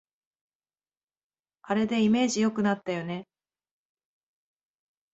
あれでイメージ良くなったよね